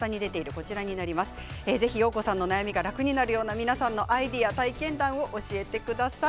ぜひ、よーこさんのお悩みが楽になるような皆さんのアイデアや体験談を教えてください。